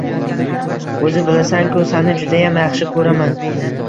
Oʻzi bilasanku, sani judayam yaxshi koʻraman.